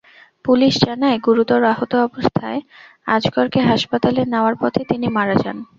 Police জানায়, গুরুতর আহত অবস্থায় আজগরকে হাসপাতালে নেওয়ার পথে তিনি মারা যান।